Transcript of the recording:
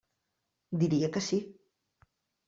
Diria que sí.